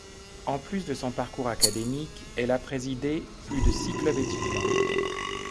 En plus de son parcours académique, elle a présidé plus de six clubs étudiants.